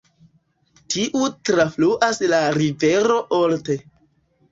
Tiu trafluas la rivero Olt.